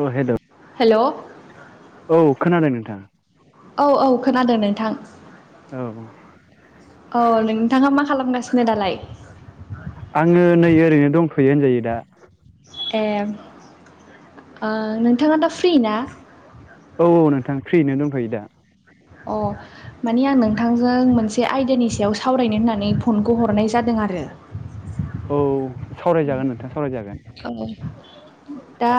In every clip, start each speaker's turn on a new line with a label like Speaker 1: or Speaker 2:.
Speaker 1: औ hello,
Speaker 2: hello औ
Speaker 1: औ खोनादों नोंथां।
Speaker 2: औ औ खोनादों नोंथां।
Speaker 1: औ
Speaker 2: औ नोंथाङा मा खालामगासिनो दालाय
Speaker 1: आङो नै ओरैनो दंफ'यो होनजायो दा
Speaker 2: ए नोंथाङा दा फ्रि ना
Speaker 1: औ औ नोंथां फ्रिनो दंफायो दा।
Speaker 2: अ माने आं नोंथांजों मोनसे आयदानि सायाव सावरायनो होननानै फनखौ हरनाय जादों आरो।
Speaker 1: औ सावरायजागोन नोंथाङा सावरायजागोन
Speaker 2: औ दा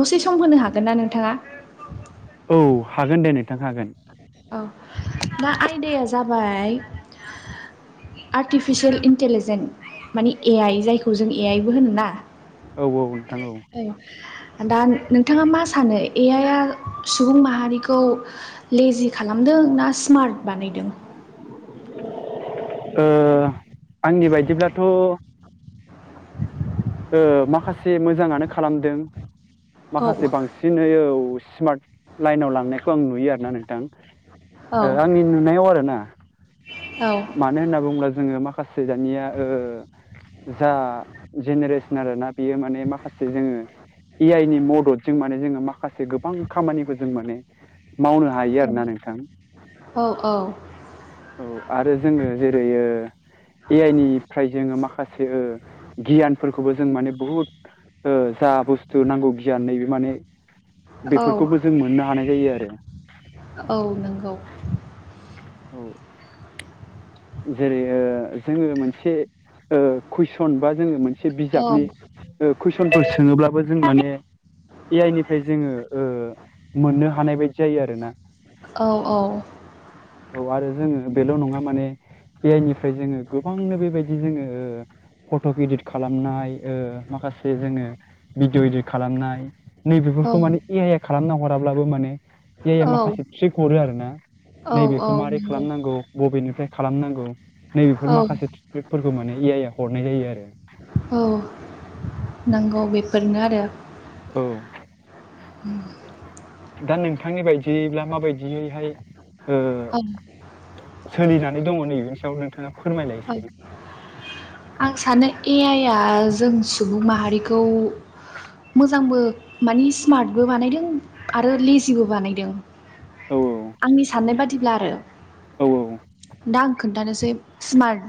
Speaker 2: दसे सम होनो हागोन ना नोंथाङा।
Speaker 1: औ हागोन दे नोंथां हागोन।
Speaker 2: औ दा आयदाया जाबाय। आर्टिफिसियेल इन्टलिजेन्ट माने ए आइ जायखौ जों ए आइबो होन ना
Speaker 1: औ औ
Speaker 2: औ। दा नोंथाङा मा सानो ए आइआ सुबुं माहारिखौ लेजि खालामदों ना स्मार्ट बानायदों
Speaker 1: ओम आंनि बायदिब्लाथ' ओ माखासे मोजाङानो खालामदों
Speaker 2: औ
Speaker 1: माखासे बांसिनै स्मार्ट लाइनाव लांनायखौ आं नुयो आरोना नोंथां
Speaker 2: औ
Speaker 1: आंनि नुनायाव आरो ना मानो होनना बुङोब्ला जोङो मा दानिया ओ जा जेनेरेसन आरो ना बियो माने माखासे जोङो ए आइ नि मददजों माने जोङो माखासे माखासे गोबां खामानिफोर जों माने मावनो हायो आरो ना नोंथां
Speaker 2: औ
Speaker 1: औ आरो जोङो जेरैयो ए आइ निफ्राय जोङो माखासे गियानफोरखौबो जों माने बहुद जा बुस्थु नांगौ गियान नै बे माने
Speaker 2: औ
Speaker 1: बेफोरखौबो जों मोननो हानाय जायो आरो।
Speaker 2: औ नंगौ
Speaker 1: औ ओ जेरै जोङो मोनसे ओ। कुइसन बा जोङो मोनसे
Speaker 2: औ
Speaker 1: बिजाबनि कुइसनफोर सोङोब्लाबो जों माने। ए आइ निफ्राय जोङो। ओ मोननो हानाय बायदि जायो आरो ना।
Speaker 2: औ
Speaker 1: औ आरो जोङो बेल' नङा माने ए आइ निफ्राय जोङो गोबांनो बेबायदि जोङो। फट' इदित खालामनाय ओ माखासे जोङो भिडिअ इदित खालामनाय।
Speaker 2: औ
Speaker 1: नैबेफोरखौ माने ए आइ आ खालामना हराब्लाबो माने ए आइ आ
Speaker 2: औ
Speaker 1: माखासे थिक हरो आर ना।
Speaker 2: औ
Speaker 1: नैबेखौ मारै
Speaker 2: नंगौ
Speaker 1: खालामनांगौ बबेनिफ्राय खालामनांगौ।
Speaker 2: औ
Speaker 1: नैबेफोर माखासे थ्रिेटफोरखौ माने ए आइ आ हरनाय जायो आरो।
Speaker 2: औ
Speaker 1: औ
Speaker 2: नांगौ बेफोरनो आरो।
Speaker 1: औ दा नोंथांनि बायदियैब्ला माबायदियैहाय। ओ
Speaker 2: औ
Speaker 1: सोलिजानाय दङ नैनि सायाव नोंथाङा। फोरमायलाय।
Speaker 2: औ आं सानो ए आइआ जों सुबुं माहारिखौ। मोजांबो मानि स्मार्टबो बानायदों आरो लेजिबो बानायदों।
Speaker 1: औ
Speaker 2: आंनि साननाय बादिब्ला आरो
Speaker 1: औ
Speaker 2: दा आं खोन्थानोसै। स्मार्ट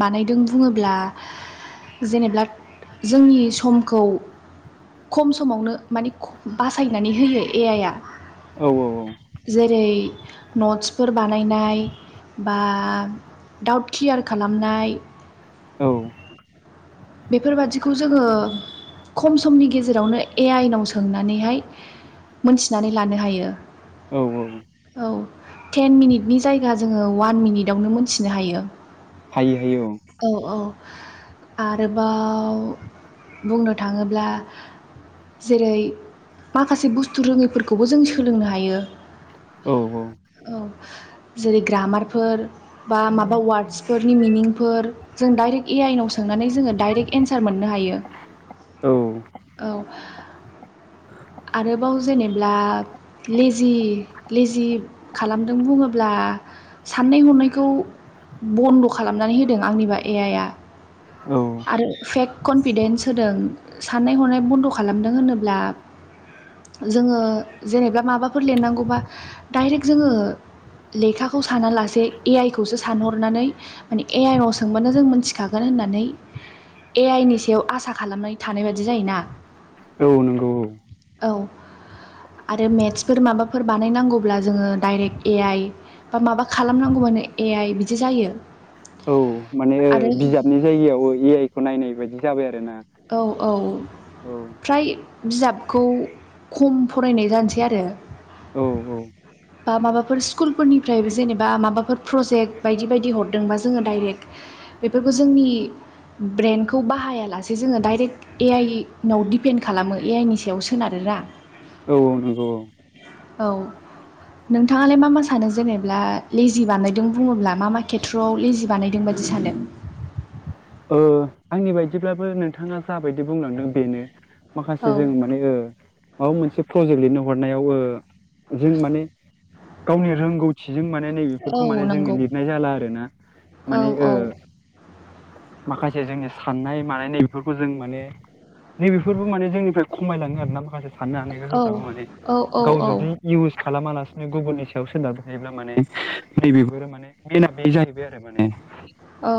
Speaker 2: बानायदों बुङोब्ला। जेनेबा जोंनि समखौ। खम समावनो माने बासायनानै होयो ए आइआ।
Speaker 1: औ औ औ
Speaker 2: जेरै नटसफोर बानायनाय बा डाउट क्लियार खालामनाय
Speaker 1: औ।
Speaker 2: बेफोरबादिखौ जोङो खम समनि गेजेरावनो ए-आइ नाव सोंनानैहाय मोनथिनानै लानो हायो।
Speaker 1: औ-औ।
Speaker 2: औ टेन मिनिटनि जायगा जोङो अवान मिनिटावनो मोनथिनो हायो।
Speaker 1: हायो-हायो औ।
Speaker 2: आरोबाव बुंनो थाङोब्ला। जेरै माखासे बुस्थु रोङै फोरखौबो जों सोलोंनो हायो।
Speaker 1: औ-औ।
Speaker 2: औ जेरै ग्रामारफोर। बा माबा वार्डसफोरनि मिनिंफोर, जों डाइरेक्ट ए-आइनाव सों। माने जोङो डाइरेक्ट एन्सार मोननो हायो
Speaker 1: औ
Speaker 2: औ। आरोबाव जेनेब्ला लेजि-लेजि खालामदों बुङोब्ला। साननाय-हनायखौ बन्द' खालामनानै होदों आंनिबा ए-आइआ।
Speaker 1: औ
Speaker 2: आरो फेक कनफिदेन्स होदों साननाय-हनाय बन्द' खालामदों होनोब्ला।
Speaker 1: [inaudible]
Speaker 2: जोङो जेनेबा माबाफोर लिरनांगौबा डाइरेक्ट जोङो। लेखाखौ साना लासे ए-आइ खौसो सानहरनानै माने ए-आइआव सोंबानो जों मोनथिखागोन। होननानै ए-आइनि सायाव आसा खालामनानै थानाय बादि जायोना।
Speaker 1: औ नंगौ औ।
Speaker 2: औ आरो मेटसफोर माबाफोर बानायनांगौब्ला जोङो डाइरेक्ट ए-आइ। बा माबा खालामनांगौबानो ए-आइ बिदि जायो।
Speaker 1: औ माने
Speaker 2: आरो
Speaker 1: बिजाबनि जायगायाव ए-आइ खौ नायनाय बायदि जाबाय आरो।
Speaker 2: औ-औ फ्राय। बिजाबखौ खम फरायनाय जानोसै आरो।
Speaker 1: औ-औ।
Speaker 2: बा माबाफोर स्कुलफोरनिफ्रायबो जेनेबा माबाफोर प्रजेक्ट बायदि बायदि हरदोंबा जोङो डाइरेक्ट। बेफोरखौ जोंनि। ब्रेेनखौ बाहायालासे जोङो डाइरेक्ट ए-आइनाव दिडपेन्ड खालामो ए-आइ नि सायाव सोनारो। बा।
Speaker 1: औ-औ नंगौ औ ‌
Speaker 2: औ। नोंथाङालाय मा-मा सानो जेनेब्ला लेजि बानायदों बुङोब्ला मा-मा खेत्र'आव लेजि बानायदोंबा? सानो?
Speaker 1: [inaudible] ओ आंनि बायदिब्लाबो नोंथाङा जाबायदि बुंलांदों बेनो। माखासे
Speaker 2: औ
Speaker 1: जों माने ओ माबा मोनसे प्रजेक्ट लिरनो हरनायाव ओ जों माने। गावनि रोंगौ। थिजों माने नैबेफोरखौ
Speaker 2: औ
Speaker 1: माने जोङो
Speaker 2: नंगौ
Speaker 1: लिरनाय जाला आर ना
Speaker 2: औ
Speaker 1: माने ओ।
Speaker 2: औ
Speaker 1: माखासे जोंनि साननाय-मानायनाय बेफोरखौ जों माने ‌ नैबेफोरबो माने जोंनिफ्राय खमायलाङो आरो ना माखासे। साननो हानाय
Speaker 2: औ
Speaker 1: गोहोब्राबो माने
Speaker 2: औ औ
Speaker 1: गाव जुदि इउस खालामालासे। बि गुबुननि सायाव सोनारबाय हायोब्ला माने नैबेफोरो माने बेला बे जाहैबाय आरो माने।
Speaker 2: औ।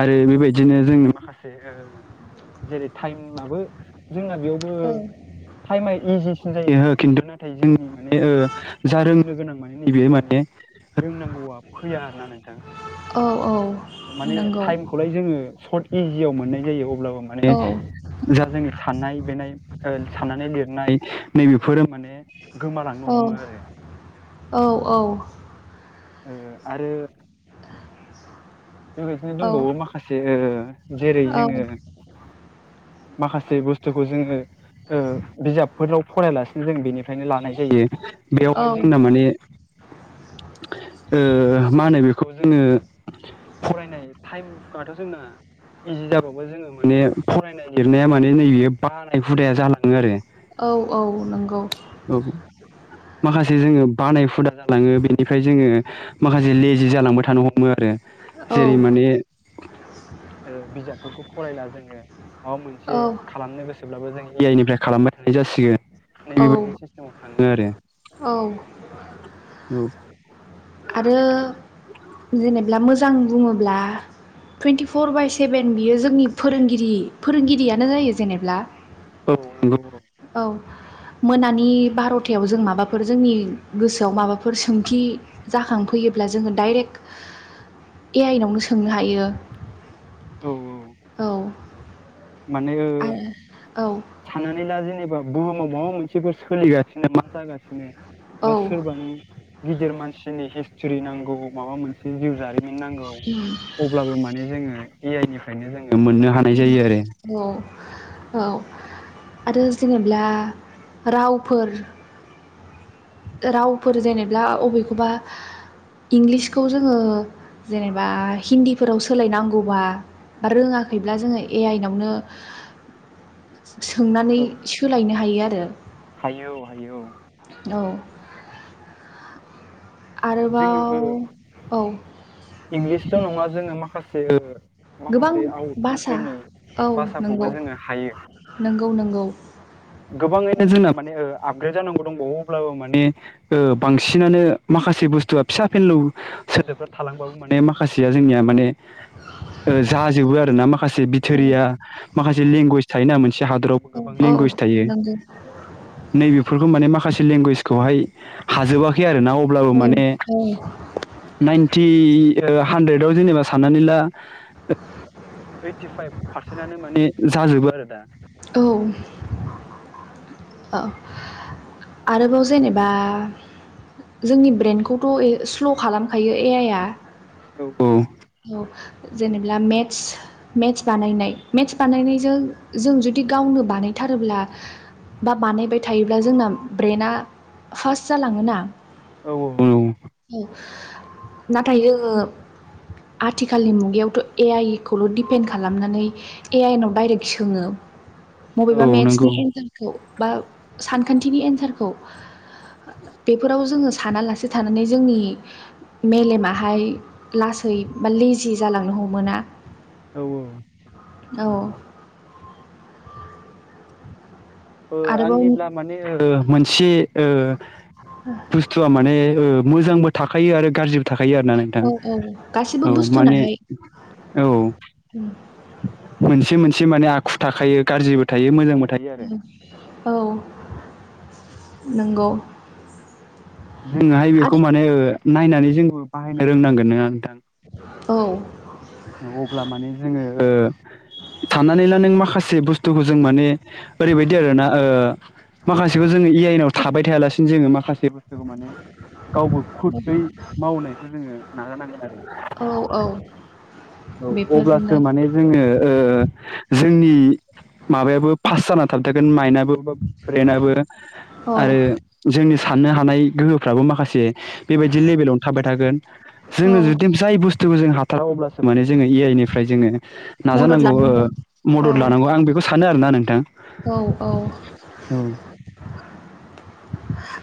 Speaker 1: आरो बेबायदिनो जोंनि माखासे ओ जेरै थाइमाबो। जोंना बेयावबो
Speaker 2: औ
Speaker 1: टाइमा इजि। सिन जायो खिन्थु नाथाय जोंनि माने ओ जा रोंनो गोनां माने नैबे माने। रोंनांगौआ फैया आर ना नोंथां।
Speaker 2: औ औ
Speaker 1: माने
Speaker 2: नंगौ
Speaker 1: टाइम खौलाय जोङो सर्ट इजियाव मोननाय जायो अब। अब्लाबो माने
Speaker 2: औ
Speaker 1: जा जोंनि साननाय-बेनाय ओ साननानै लिरनाय। नैबेफोरो माने। गोमालांनो हमो आरो
Speaker 2: औ-औ-औ।
Speaker 1: ओ आरो ओ बेबायदिनो दंबावो
Speaker 2: औ
Speaker 1: माखासे जेरै
Speaker 2: औ
Speaker 1: जोङो माखास से बुस्थुखौ जोङो ओ बिजाबफोराव फरायलासिनो जों बेनि फ्रायनो लानाय जायो।
Speaker 2: औ
Speaker 1: बेवहाय जोंना माने ओ मा होनो बेखौ जोङो नाय थाइमाथ' जोंना इजि जाबावो जोङो। माने फरायनाय लिरनाया माने नैयो बानाय हुदाया जालाङो आरो।
Speaker 2: औ औ नंगौ
Speaker 1: औ माखासे जोङो बानाय हुदा जालाङो बेनिफ्राय जोङो माखासे लेजि जालांबाय थानो हमो आरो।
Speaker 2: औ
Speaker 1: जेरै माने ओ बिजाबफोरखौ फरायला जोङो। माबा मोनसे
Speaker 2: औ
Speaker 1: खालामनो गोसोब्लाबो जों ए आइ निफ्राय खालामबाय थानाय जासिगोन।
Speaker 2: औ
Speaker 1: सिनाव थाङो आरो।
Speaker 2: औ
Speaker 1: औ
Speaker 2: आरो जेनेब्ला मोजां बुङोब्ला टुइन्टिफर बाय सेभेन बियो जोंनि फोरोंगिरि फोरोंगिरियानो जायो जेनेब्ला।
Speaker 1: औ नंगौ [unintelligible]
Speaker 2: औ मोनानि बारथायाव जों माबाफोर जोंनि गोसोआव माबाफोर सोंथि जाखांफैयोब्ला जोङो डाइरेक्ट ए आइ नावनो सोंनो हायो।
Speaker 1: औ औ
Speaker 2: औ
Speaker 1: माने ओ
Speaker 2: आरो
Speaker 1: साननानै ला जेनेबा बुहुमाव माबा मोनसेफोर सोलिगासिनो मा जागासिनो
Speaker 2: औ
Speaker 1: बा सोरबानो गिदिर मानस सिनि हिसटिरि नांगौ। माबा मोनसे जिउ जारि मिन नांगौ। अब्लाबो माने जोङो ए आइ निफ्रायनो जोङो मोननो हानाय जायो आरो।
Speaker 2: औ औ आरो जेनेब्ला रावफोर रावफोर जेनेब्ला अबेखौबा इंलिसखौ जोङो जेनेबा हिन्दिफोराव सोलाय नांगौबा। बा रोङाखैब्ला जोङो ए आइ नावनो
Speaker 1: [inaudible]
Speaker 2: सोंनानै
Speaker 1: औ
Speaker 2: सोलायनो हायो आरो।
Speaker 1: हायो औ हायो औ
Speaker 2: औ आरोबाव औ
Speaker 1: इंलिस' नङा जोङो माखासे ओ
Speaker 2: गोबां
Speaker 1: माखासे आउट
Speaker 2: भाषा
Speaker 1: कान्ट्रिनि
Speaker 2: औ
Speaker 1: भासाखौबो
Speaker 2: नंगौ
Speaker 1: जोङो हायो।
Speaker 2: नंगौ नंगौ
Speaker 1: गोबाङैनो जों माने ओ आप ग्रेद जानांगौ दंबावो अब्लाबो माने ओ बांसिनानो माखासे बुथुआ फिसा फेनलौ सोदोब थालांबाबो माने माखासेया जोंनिया माने ओ जाजोबो आरो ना। माखासे बिथोरिया माखासे लेंगुवेज थायोना मोनसे हादरावबो गोबां लें
Speaker 2: औ नोंगौ।
Speaker 1: नैबेफोरखौ माने माखासे लेंगुयेज खौहाय हाजोबाखै आरोना अब्लाबो माने
Speaker 2: औ
Speaker 1: नायन इ ओ हानद्रेदाव जेनेबा साननानै ला ओ ओइटिफाइभ पारसेन्टआनो माने जाजोबो आरो दा।
Speaker 2: औ ओ आरोबाव जेनेबा। जोंनि ब्रेन्डखौथ' ए स्ल' खालामखायो ए आइ आ
Speaker 1: औ औ
Speaker 2: औ जेनेब्ला मेत्स मेत्स बानायनाय मेत्स बानायनायजों जों जुद जुदि गावनो बानायथारोब्ला बा बानायबाय थायोब्ला जोंना ब्रेना फास्ट जालाङोना
Speaker 1: औ औ
Speaker 2: औ नाथाय जोङो आथिखालनि मुगायावथ' ए आइ खौल' डिपेन्ड खालामनानै ए आइनव दाइरेक्ट सोङो
Speaker 1: [inaudible]
Speaker 2: बबेबा
Speaker 1: औ
Speaker 2: मेथ्सनि
Speaker 1: नंगौ
Speaker 2: एन्सारखौ बा सानखान्थिनि एन्सारखौ बेफोराव जोङो सानालासे थानानै जोंनि मेलेमाहाय लासै बा लेजि जालांनो हमोना
Speaker 1: औ औ
Speaker 2: औ
Speaker 1: नंगौ ओ
Speaker 2: आरोबाव
Speaker 1: आंनिब्ला ओ माने मोनसे बुस्थुया माने ओ मोजांबो थाखायो आरो गाज्रिबो थाखायो थायो आरोना नोंथां
Speaker 2: औ औ गासिबो
Speaker 1: औ माने
Speaker 2: बुस्थुनाहाय
Speaker 1: औ मोनसे मोनसे माने आखु थाखायो गारजिबो थायो मोजांबो थायो आरो
Speaker 2: औ नंगौ
Speaker 1: जोङोहाय बेखौ
Speaker 2: आरो
Speaker 1: माने ओ नायनानै जोंबो बाहायनो रोंनांगोन नङा नोंथां
Speaker 2: औ
Speaker 1: अब्ला माने जोङो ओ साननानै ला नों माखासे बुस्थुखौ जों माने ओरैबायदि आरोना ओ माखासेखौ जोङो ए आइ नाव थाबाय थायालासिनो जोङो माखासे बुस्थुखौ माने गावबो खुथै मावनायखौ जोङो नाजानांगोन आरो
Speaker 2: औ औ
Speaker 1: औ
Speaker 2: बेफोरनो
Speaker 1: अब्लासो माने जोङो ओ जोंनि माबायाबो पास जाना थाबथागोन माइनाबो बा ब्रेनाबो
Speaker 2: औ
Speaker 1: आरो जोंनि साननो हानाय गोहोफ्राबो माखासे बेबायदि लेभेलावनो थाबाय थागोन जोङो जुदि जाय बुस्थुखौ जों हाथारा अब्लासो माने जोङो ए आइ निफ्राय जोङो
Speaker 2: मदद
Speaker 1: नाजानांगौ
Speaker 2: लानांगौ औ
Speaker 1: मदद
Speaker 2: औ
Speaker 1: लानांगौ आं बेखौ सानो आरोना नोंथां
Speaker 2: औ
Speaker 1: औ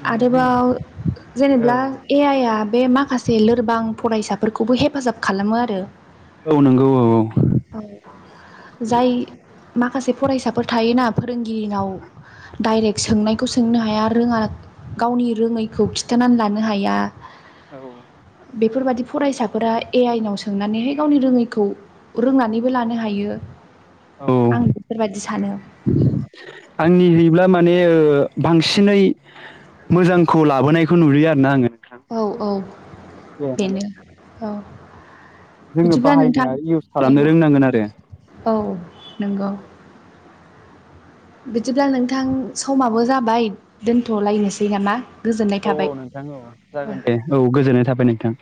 Speaker 1: माने जोङो
Speaker 2: आरोबाव जेनेब्ला
Speaker 1: ओ
Speaker 2: ए आइ आ बे मा खासे लोरबां फरायसाफोरखौबो हेफाजाब खालामो आरो
Speaker 1: औ नंगौ औ औ
Speaker 2: जाय माखासे फरायसाफोर थायोना फोरोंगिरिनाव डाइरेक्ट सोंनायखौ सोंनो हाया रोङा गावनि रोङैखौ खिथानानै लानो हाया
Speaker 1: [inaudible]
Speaker 2: बेफोरबादि फरायसाफोरा ए आइनाव सोंनानैहाय गावनि रोङैखौ रोंनानैबो लानो हायो
Speaker 1: औ
Speaker 2: आं बेफोरबायदि सानो
Speaker 1: आंनि हैब्ला मा ने बांसिनै मोजांखौ लाबोनायखौ नुयो आरोना आङो नोंथां
Speaker 2: औ औ
Speaker 1: दे माने
Speaker 2: बेनो औ
Speaker 1: जोङो
Speaker 2: बिदिब्ला
Speaker 1: बाहायनो
Speaker 2: नोंथां
Speaker 1: आरो इउस खालामनो
Speaker 2: औ
Speaker 1: रोंनांगोन आरो
Speaker 2: औ नंगौ बिदिब्ला नोंथां समाबो जाबाय दोनथ'लायनोसै नामा गोजोननाय
Speaker 1: औ औ
Speaker 2: थाबाय
Speaker 1: नोंथां औ जागोन दे औ गोजोननाय थाबाय नोंथां